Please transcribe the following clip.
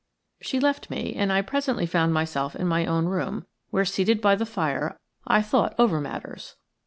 She left me, and I presently found myself in my own room, where, seated by the fire, I thought over matters.